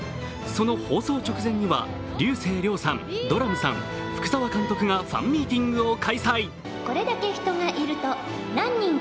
その放送直前には、竜星涼さんドラムさん、福澤監督がファンミーティングを開催。